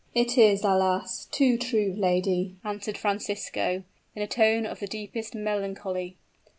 "It is, alas! too true, lady," answered Francisco, in a tone of the deepest melancholy.